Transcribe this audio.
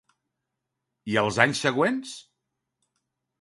I els anys següents?